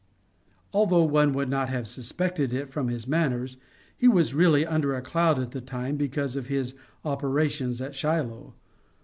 Although one would not have suspected it from his manners, he was really under a cloud at the time because of his operations at Shiloh.